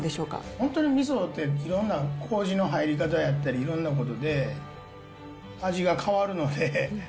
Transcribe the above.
本当にみそって、いろんなこうじの入り方やったりいろいろなことで味が変わるので。